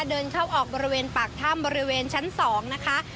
เดินเข้าออกบริเวณปากถ้ำบริเวณชั้น๒นะคะ